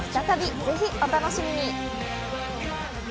ぜひお楽しみに！